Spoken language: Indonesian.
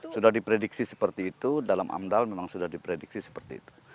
sudah diprediksi seperti itu dalam amdal memang sudah diprediksi seperti itu